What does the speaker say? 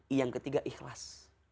i yang ketiga ikhlas